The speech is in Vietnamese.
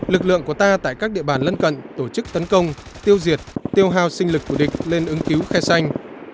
lực lượng của ta tại các địa bàn lân cận tổ chức tấn công tiêu diệt tiêu hào sinh lực của địch lên ứng cứu khe xanh